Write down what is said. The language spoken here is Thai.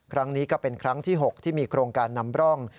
ครั้งนี้ก็เป็นครั้งที่๖ที่มีโครงการนำร่อง